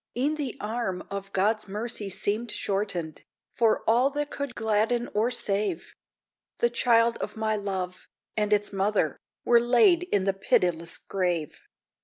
E'en the arm of God's mercy seemed shortened, For all that could gladden or save; The child of my love, and its mother, Were laid in the pitiless grave!